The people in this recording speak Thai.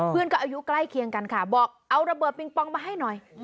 เพื่อนก็อายุใกล้เคียงกันค่ะบอกเอาระเบิดปิงปองมาให้หน่อย